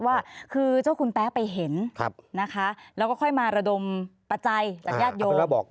ว่าคือเจ้าคุณแป๊ะไปเห็นนะคะแล้วก็ค่อยมาระดมปัจจัยจากญาติโยม